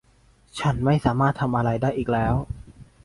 ฉันไม่สามารถทำอะไรได้อีกแล้ว